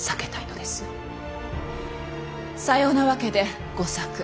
さようなわけで吾作。